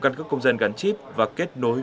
căn cức công dân gắn chip và kết nối